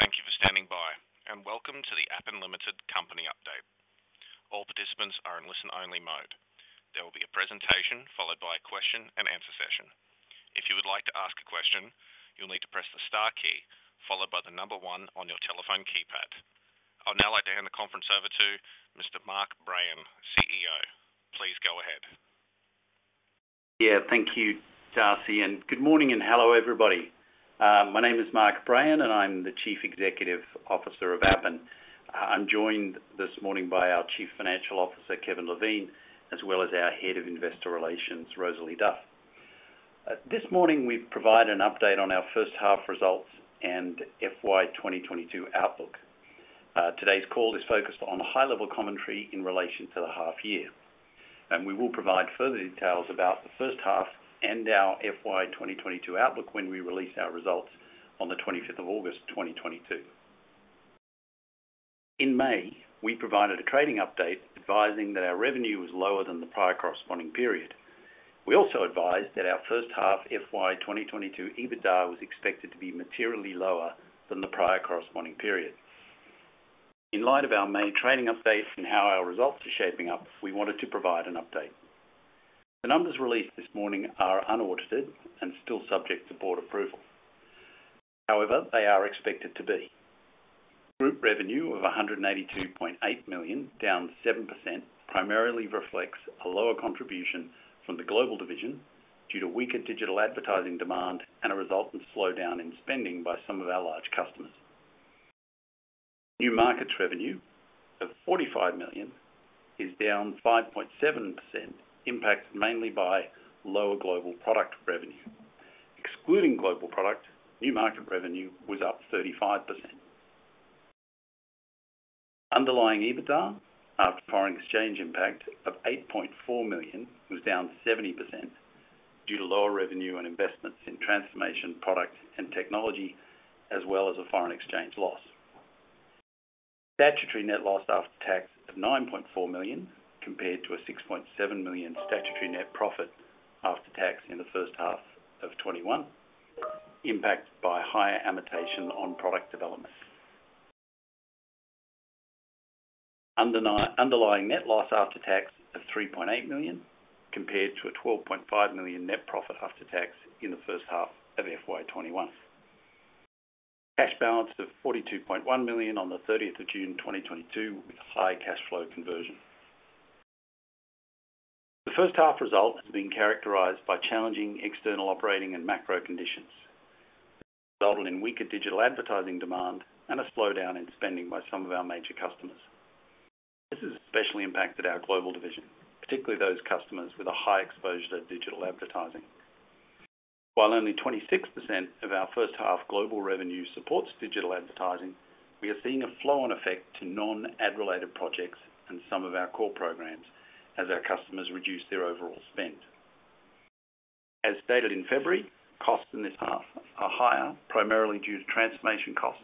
Thank you for standing by, and welcome to the Appen Limited company update. All participants are in listen only mode. There will be a presentation followed by a question-and-answer session. If you would like to ask a question, you'll need to press the star key followed by the number one on your telephone keypad. I would now like to hand the conference over to Mr. Mark Brayan, CEO. Please go ahead. Yeah. Thank you, Darcy, and good morning and hello everybody. My name is Mark Brayan and I'm the Chief Executive Officer of Appen. I'm joined this morning by our Chief Financial Officer, Kevin Levine, as well as our Head of Investor Relations, Rosalie Duff. This morning we provide an update on our first half results and FY 2022 outlook. Today's call is focused on high level commentary in relation to the half year, and we will provide further details about the first half and our FY 2022 outlook when we release our results on the 25th of August, 2022. In May, we provided a trading update advising that our revenue was lower than the prior corresponding period. We also advised that our first half FY 2022 EBITDA was expected to be materially lower than the prior corresponding period. In light of our main trading update and how our results are shaping up, we wanted to provide an update. The numbers released this morning are unaudited and still subject to board approval. However, they are expected to be. Group revenue of 182.8 million, down 7%, primarily reflects a lower contribution from the global division due to weaker digital advertising demand and a result of slowdown in spending by some of our large customers. New markets revenue of 45 million is down 5.7%, impacted mainly by lower global product revenue. Excluding global product, new market revenue was up 35%. Underlying EBITDA after foreign exchange impact of 8.4 million was down 70% due to lower revenue and investments in transformation, product and technology, as well as a foreign exchange loss. Statutory net loss after tax of 9.4 million compared to a 6.7 million statutory net profit after tax in the first half of 2021, impacted by higher amortization on product development. Underlying net loss after tax of 3.8 million compared to a 12.5 million net profit after tax in the first half of FY 2021. Cash balance of 42.1 million on the thirtieth of June, 2022 with high cash flow conversion. The first half result has been characterized by challenging external operating and macro conditions resulting in weaker digital advertising demand and a slowdown in spending by some of our major customers. This has especially impacted our global division, particularly those customers with a high exposure to digital advertising. While only 26% of our first half global revenue supports digital advertising, we are seeing a flow on effect to non-ad related projects and some of our core programs as our customers reduce their overall spend. As stated in February, costs in this half are higher, primarily due to transformation costs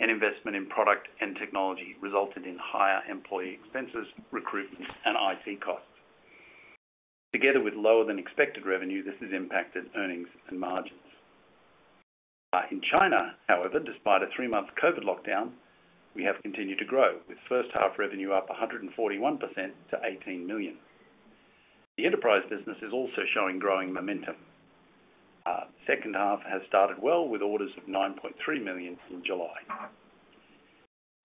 and investment in product and technology resulted in higher employee expenses, recruitment and IT costs. Together with lower than expected revenue, this has impacted earnings and margins. In China, however, despite a three-month COVID lockdown, we have continued to grow with first half revenue up 141% to 18 million. The enterprise business is also showing growing momentum. Second half has started well, with orders of 9.3 million in July.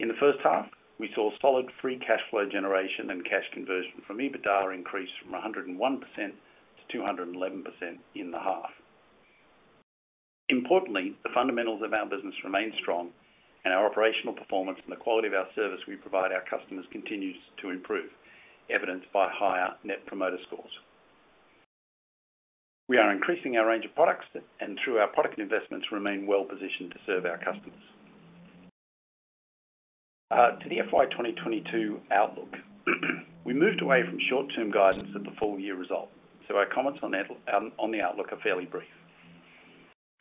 In the first half, we saw solid free cash flow generation and cash conversion from EBITDA increase from 101% to 211% in the half. Importantly, the fundamentals of our business remain strong and our operational performance and the quality of our service we provide our customers continues to improve, evidenced by higher Net Promoter Scores. We are increasing our range of products and through our product investments remain well positioned to serve our customers. To the FY 2022 outlook. We moved away from short-term guidance at the full year result, so our comments on that, on the outlook are fairly brief.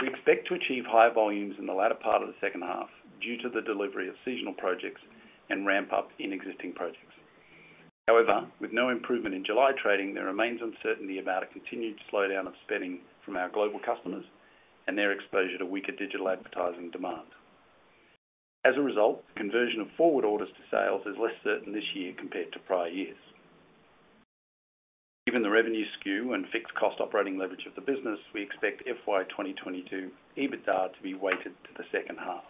We expect to achieve higher volumes in the latter part of the second half due to the delivery of seasonal projects and ramp up in existing projects. However, with no improvement in July trading, there remains uncertainty about a continued slowdown of spending from our global customers and their exposure to weaker digital advertising demand. As a result, conversion of forward orders to sales is less certain this year compared to prior years. Given the revenue skew and fixed cost operating leverage of the business, we expect FY 2022 EBITDA to be weighted to the second half.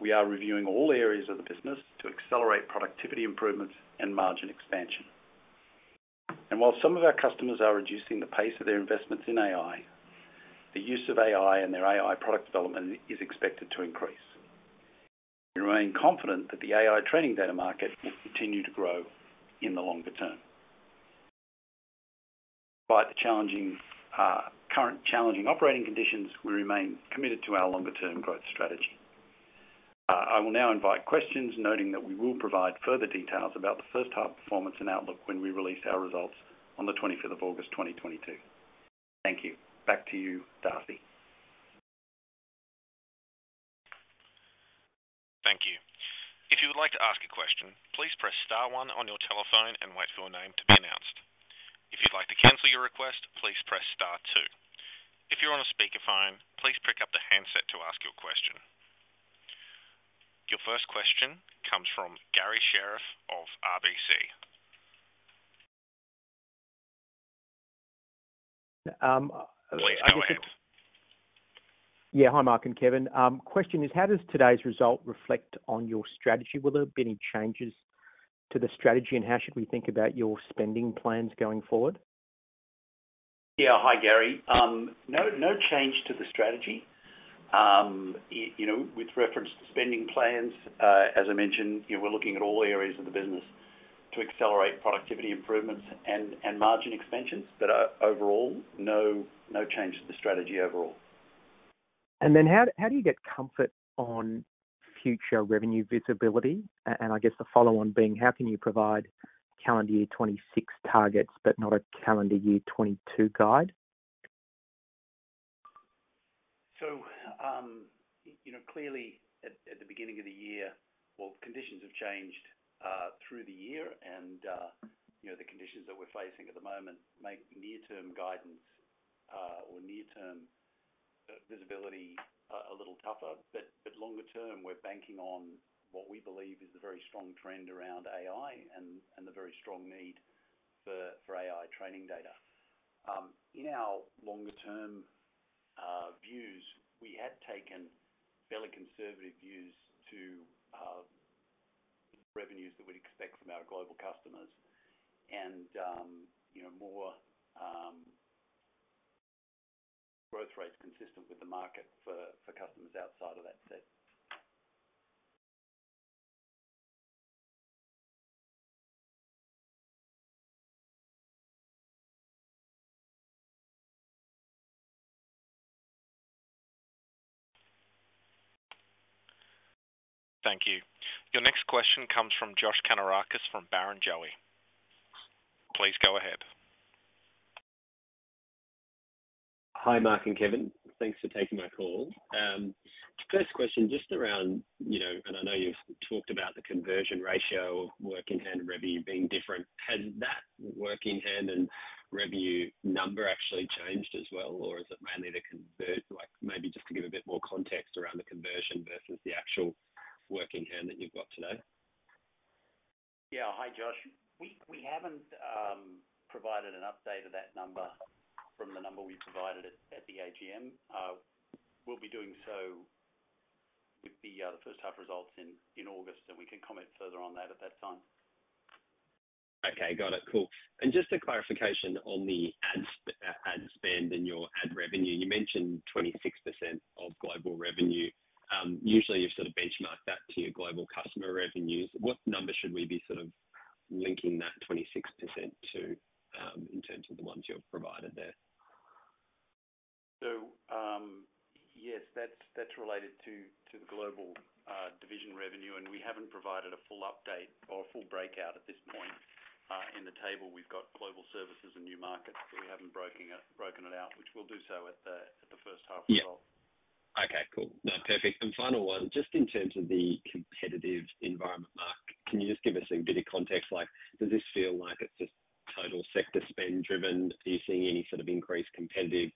We are reviewing all areas of the business to accelerate productivity improvements and margin expansion. While some of our customers are reducing the pace of their investments in AI, the use of AI and their AI product development is expected to increase. We remain confident that the AI training data market will continue to grow in the longer term. Despite the current challenging operating conditions, we remain committed to our longer term growth strategy. I will now invite questions, noting that we will provide further details about the first half performance and outlook when we release our results on the 25th of August, 2022. Thank you. Back to you, Darcy. If you'd like to ask a question, please press star one on your telephone and wait for your name to be announced. If you'd like to cancel your request, please press star two. If you're on a speakerphone, please pick up the handset to ask your question. Your first question comes from Garry Sherriff of RBC. Please go ahead. Yeah. Hi, Mark and Kevin. Question is how does today's result reflect on your strategy? Will there be any changes to the strategy? How should we think about your spending plans going forward? Yeah. Hi, Gary. No change to the strategy. You know, with reference to spending plans, as I mentioned, you know, we're looking at all areas of the business to accelerate productivity improvements and margin expansions. Overall, no change to the strategy overall. How do you get comfort on future revenue visibility? I guess the follow on being how can you provide calendar year 2026 targets but not a calendar year 2022 guide? You know, clearly at the beginning of the year. Well, conditions have changed through the year and you know, the conditions that we're facing at the moment make near-term guidance or near-term visibility a little tougher. Longer term, we're banking on what we believe is the very strong trend around AI and the very strong need for AI training data. In our longer-term views, we had taken fairly conservative views to revenues that we'd expect from our global customers and you know, more growth rates consistent with the market for customers outside of that set. Thank you. Your next question comes from Josh Kannourakis from Barrenjoey. Please go ahead. Hi, Mark and Kevin. Thanks for taking my call. First question just around, you know, and I know you've talked about the conversion ratio of work in hand revenue being different. Has that work in hand and revenue number actually changed as well? Or is it mainly like, maybe just to give a bit more context around the conversion versus the actual work in hand that you've got today. Yeah. Hi, Josh. We haven't provided an update of that number from the number we provided at the AGM. We'll be doing so with the first half results in August, and we can comment further on that at that time. Okay. Got it. Cool. Just a clarification on the ad spend and your ad revenue, you mentioned 26% of global revenue. Usually you sort of benchmark that to your global customer revenues. What number should we be sort of linking that 26% to, in terms of the ones you've provided there? Yes, that's related to the global division revenue, and we haven't provided a full update or a full breakout at this point. In the table, we've got global services and new markets, but we haven't broken it out, which we'll do so at the first half as well. Yeah. Okay. Cool. No, perfect. Final one, just in terms of the competitive environment, Mark, can you just give us a bit of context like, does this feel like it's just total sector spend driven? Are you seeing any sort of increased competitive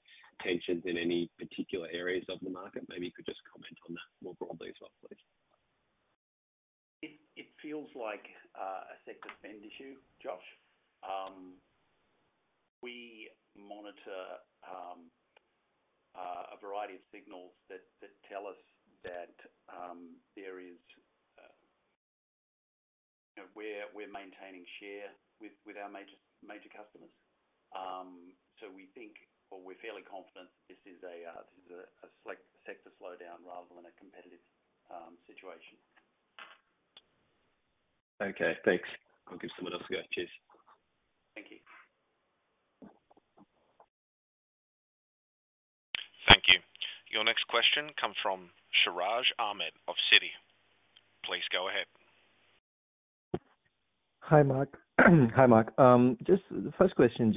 tensions in any particular areas of the market? Maybe you could just comment on that more broadly as well, please. It feels like a sector spend issue, Josh. We monitor a variety of signals that tell us that there is, you know, we're maintaining share with our major customers. We think or we're fairly confident this is a sector slowdown rather than a competitive situation. Okay. Thanks. I'll give someone else a go. Cheers. Thank you. Thank you. Your next question comes from Siraj Ahmed of Citi. Please go ahead. Hi, Mark. Just the first question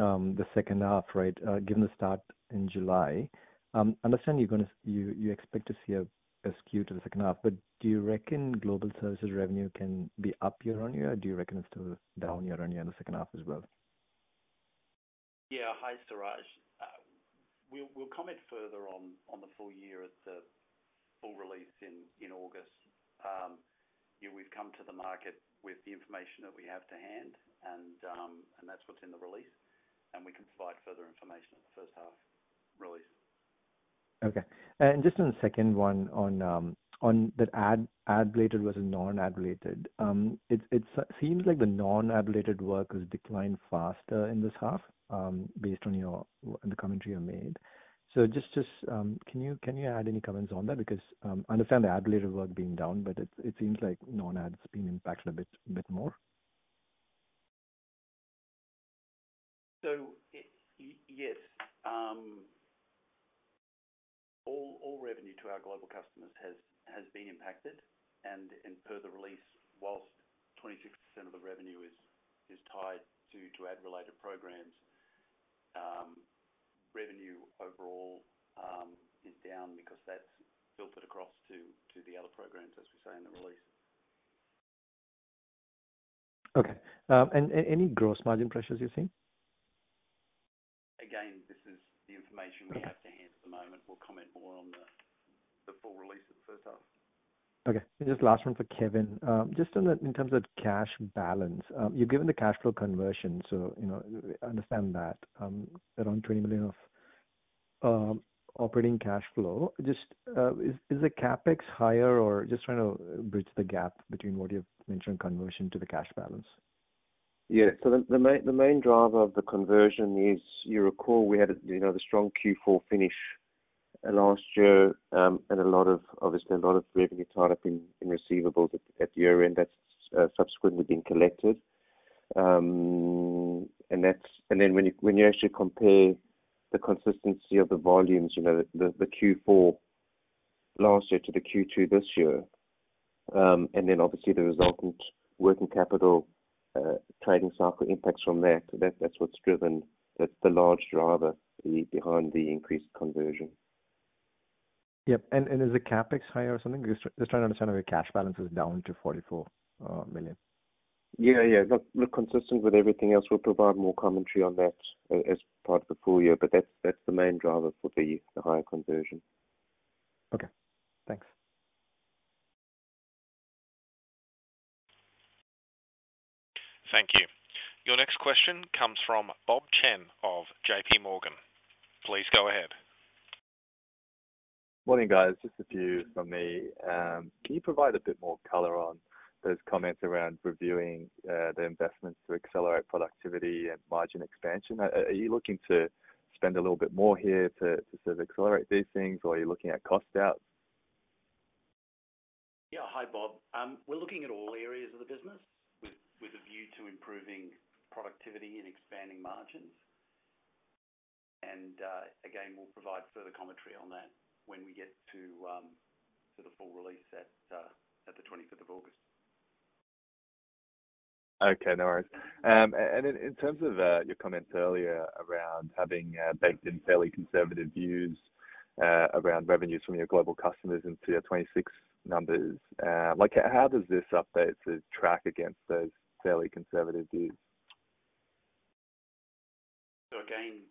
on the second half, right? Given the start in July, I understand you expect to see a skew to the second half, but do you reckon global services revenue can be up year-on-year, or do you reckon it's still down year-on-year in the second half as well? Yeah. Hi, Siraj. We'll comment further on the full year at the full release in August. Yeah, we've come to the market with the information that we have to hand and that's what's in the release, and we can provide further information at the first half release. Just on the second one on the ad-related versus non-ad-related. It seems like the non-ad-related work has declined faster in this half, based on your commentary you made. Just, can you add any comments on that? Because I understand the ad-related work being down, but it seems like non-ad's been impacted a bit more. Yes. All revenue to our global customers has been impacted and per the release, while 26% of the revenue is tied to ad-related programs. Revenue overall is down because that's filtered across to the other programs, as we say in the release. Okay. Any gross margin pressures you're seeing? Again, this is the information we have to hand at the moment. We'll comment more on the full release at the first half. Okay. Just last one for Kevin. Just on the in terms of cash balance, you're given the cash flow conversion, so you know understand that. Around 20 million of operating cash flow. Just, is the CapEx higher? Or just trying to bridge the gap between what you've mentioned conversion to the cash balance. Yeah. The main driver of the conversion is you recall we had, you know, the strong Q4 finish last year, and a lot of, obviously a lot of revenue tied up in receivables at the year end. That's subsequently been collected. And then when you actually compare the consistency of the volumes, you know, the Q4 last year to the Q2 this year, and then obviously the resultant working capital, trading cycle impacts from that's what's driven. That's the large driver behind the increased conversion. Yep. Is the CapEx higher or something? Just trying to understand why your cash balance is down to 44 million. Yeah. Look consistent with everything else. We'll provide more commentary on that as part of the full year, but that's the main driver for the higher conversion. Okay, thanks. Thank you. Your next question comes from Bob Chen of JPMorgan. Please go ahead. Morning, guys. Just a few from me. Can you provide a bit more color on those comments around reviewing the investments to accelerate productivity and margin expansion? Are you looking to spend a little bit more here to sort of accelerate these things, or are you looking at cost out? Yeah. Hi, Bob. We're looking at all areas of the business with a view to improving productivity and expanding margins. Again, we'll provide further commentary on that when we get to the full release at the 25th of August. Okay, no worries. In terms of your comments earlier around having baked in fairly conservative views around revenues from your global customers into your 26 numbers, like how does this update to track against those fairly conservative views? Again,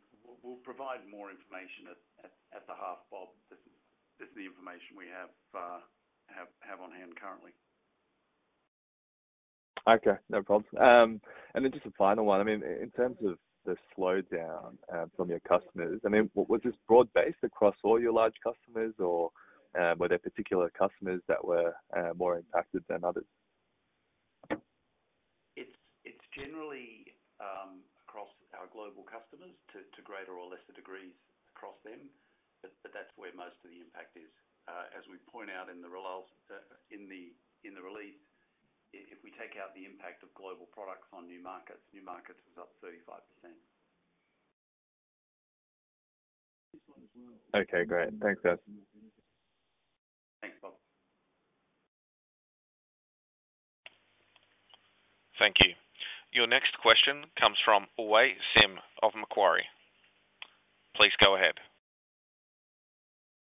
we'll provide more information at the half, Bob. This is the information we have on hand currently. Okay, no probs. Just a final one. I mean, in terms of the slowdown from your customers, I mean, was this broad-based across all your large customers or were there particular customers that were more impacted than others? It's generally across our global customers to greater or lesser degrees across them. That's where most of the impact is. As we point out in the release, if we take out the impact of global products on new markets, new markets is up 35%. Okay, great. Thanks, guys. Thanks, Bob. Thank you. Your next question comes from ZheWei Sim of Macquarie. Please go ahead.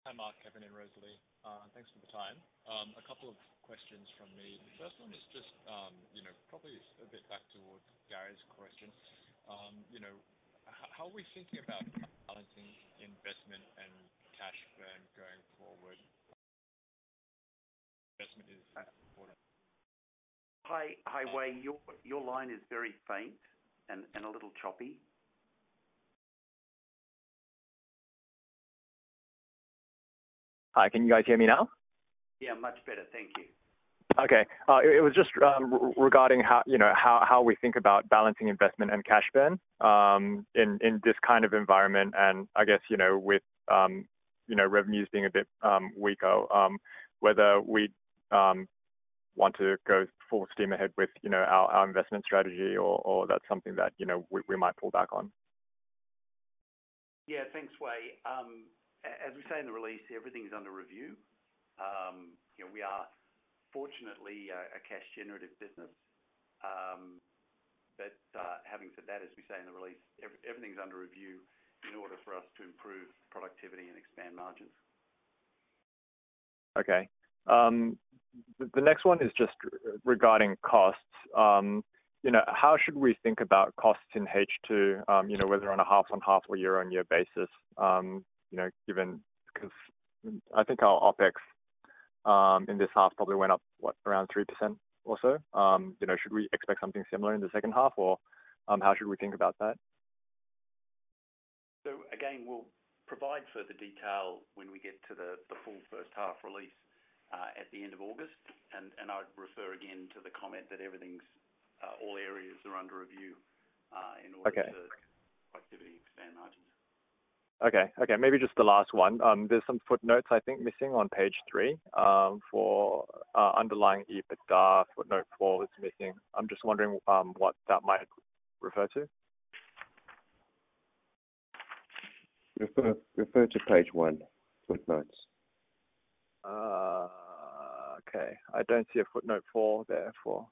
Hi, Mark, Kevin and Rosalie. Thanks for the time. A couple of questions from me. The first one is just, you know, probably a bit back towards Gary's question. How are we thinking about balancing investment and cash burn going forward? Investment is important. Hi, Wei. Your line is very faint and a little choppy. Hi, can you guys hear me now? Yeah, much better. Thank you. Okay. It was just regarding how, you know, how we think about balancing investment and cash burn, in this kind of environment and I guess, you know, with revenues being a bit weaker, whether we want to go full steam ahead with, you know, our investment strategy or that's something that, you know, we might pull back on. Yeah. Thanks, Wei. As we say in the release, everything's under review. You know, we are fortunately a cash generative business. Having said that, as we say in the release, everything's under review in order for us to improve productivity and expand margins. Okay. The next one is just regarding costs. You know, how should we think about costs in H2, you know, whether on a half-on-half or year-on-year basis, you know, given 'cause I think our OpEx in this half probably went up, what? Around 3% or so. You know, should we expect something similar in the second half, or, how should we think about that? Again, we'll provide further detail when we get to the full first half release at the end of August. I'd refer again to the comment that everything's all areas are under review. Okay. In order to improve productivity and expand margins. Okay, maybe just the last one. There's some footnotes, I think, missing on page three, for underlying EBITDA. Footnote four is missing. I'm just wondering what that might refer to? Refer to page one, footnotes. Okay, I don't see a footnote four there, four.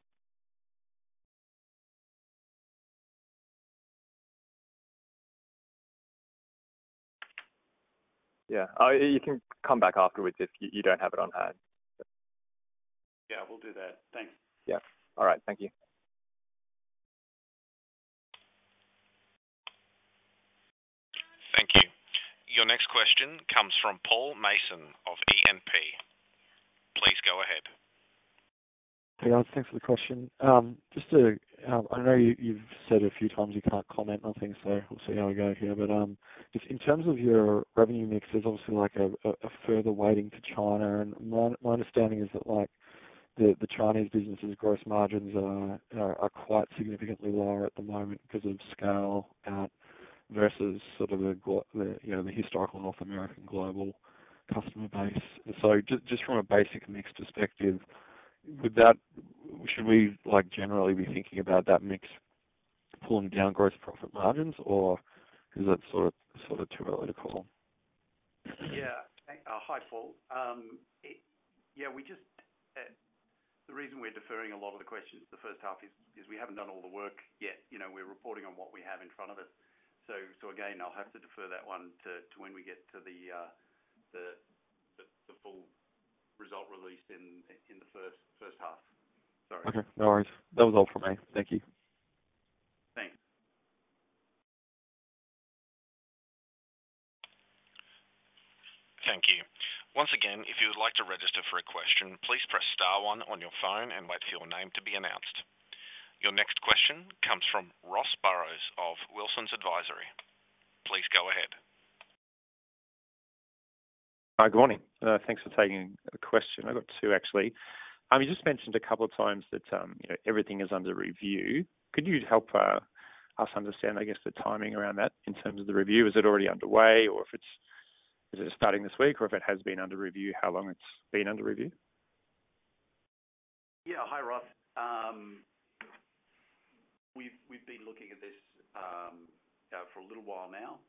Yeah. You can come back afterwards if you don't have it on hand. Yeah, we'll do that. Thanks. Yeah. All right. Thank you. Thank you. Your next question comes from Paul Mason of E&P. Please go ahead. Hey, guys. Thanks for the question. I know you've said a few times you can't comment on things, so we'll see how we go here. Just in terms of your revenue mix, there's obviously like a further weighting to China. My understanding is that like the Chinese business' gross margins are quite significantly lower at the moment 'cause of scale versus sort of, you know, the historical North American global customer base. Just from a basic mix perspective, should we like generally be thinking about that mix pulling down gross profit margins or is that sort of too early to call? Hi, Paul. The reason we're deferring a lot of the questions the first half is we haven't done all the work yet, you know. We're reporting on what we have in front of us. Again, I'll have to defer that one to when we get to the full result release in the first half. Sorry. Okay, no worries. That was all from me. Thank you. Thanks. Thank you. Once again, if you would like to register for a question, please press star one on your phone and wait for your name to be announced. Your next question comes from Ross Barrows of Wilsons Advisory. Please go ahead. Hi. Good morning. Thanks for taking a question. I've got two actually. You just mentioned a couple of times that, you know, everything is under review. Could you help us understand, I guess, the timing around that in terms of the review? Is it already underway? Is it starting this week? Or if it has been under review, how long it's been under review? Yeah. Hi, Ross. We've been looking at this for a little while now.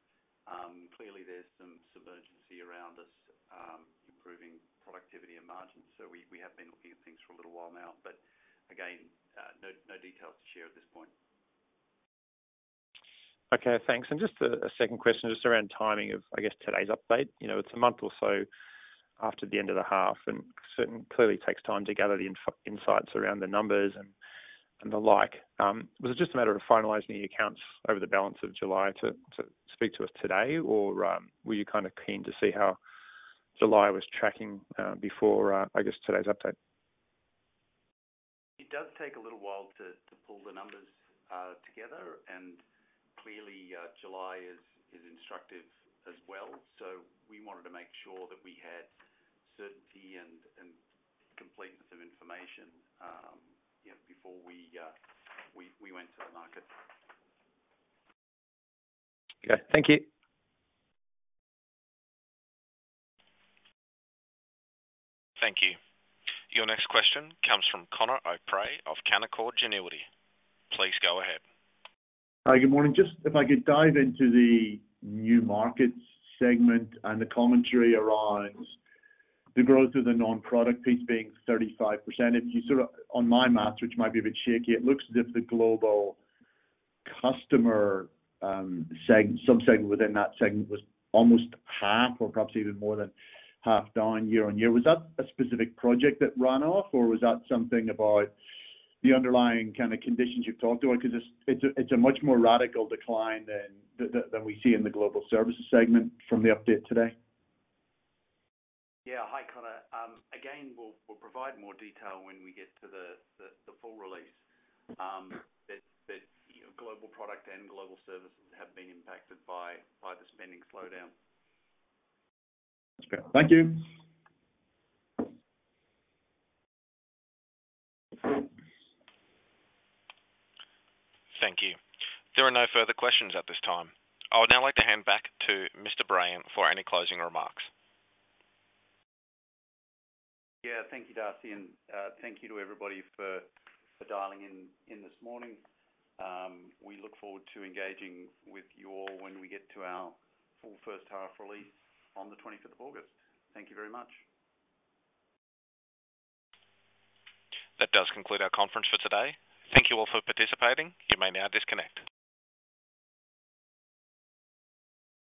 Clearly there's some urgency around us improving productivity and margins. We have been looking at things for a little while now. Again, no details to share at this point. Okay, thanks. Just a second question just around timing of, I guess, today's update. You know, it's a month or so after the end of the half, and clearly it takes time to gather the insights around the numbers and the like. Was it just a matter of finalizing the accounts over the balance of July to speak to us today? Or, were you kinda keen to see how July was tracking before, I guess, today's update? It does take a little while to pull the numbers together. Clearly, July is instructive as well. We wanted to make sure that we had certainty and completeness of information, you know, before we went to the market. Okay. Thank you. Thank you. Your next question comes from Conor O'Prey of Canaccord Genuity. Please go ahead. Hi. Good morning. Just if I could dive into the new markets segment and the commentary around the growth of the non-product piece being 35%. If you sort of on my math, which might be a bit shaky, it looks as if the global customer segment within that segment was almost half or perhaps even more than half down year-on-year. Was that a specific project that ran off, or was that something about the underlying kinda conditions you've talked about? 'Cause it's a much more radical decline than we see in the global services segment from the update today. Yeah. Hi, Conor. Again, we'll provide more detail when we get to the full release. You know, global product and global services have been impacted by the spending slowdown. That's fair. Thank you. Thank you. There are no further questions at this time. I would now like to hand back to Mark Brayan for any closing remarks. Yeah. Thank you, Darcy. Thank you to everybody for dialing in this morning. We look forward to engaging with you all when we get to our full first half release on the 25th of August. Thank you very much. That does conclude our conference for today. Thank you all for participating. You may now disconnect.